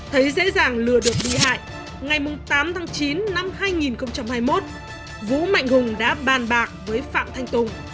thấy dễ dàng lừa được bị hại ngày tám tháng chín năm hai nghìn hai mươi một vũ mạnh hùng đã bàn bạc với phạm thanh tùng